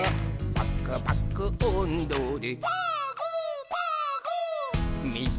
「パクパクおんどで」